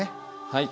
はい。